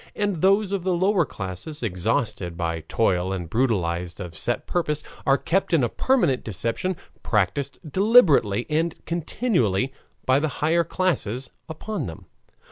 And those of the lower classes, exhausted by toil and brutalized of set purpose, are kept in a permanent deception, practiced deliberately and continuously by the higher classes upon them.